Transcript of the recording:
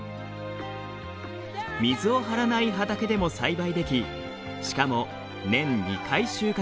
水を張らない畑でも栽培できしかも年２回収穫できます。